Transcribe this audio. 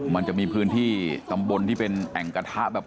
มันจะมีพื้นที่ตำบลที่เป็นแอ่งกระทะแบบ